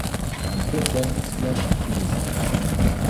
Les podcasts explorent la technologie.